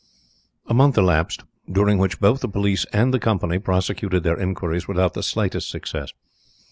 A month elapsed, during which both the police and the company prosecuted their inquiries without the slightest success.